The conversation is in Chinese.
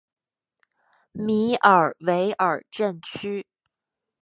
米尔维尔镇区。